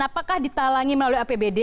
apakah ditalangi melalui apbd